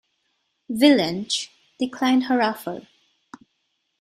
Vilanch declined her offer.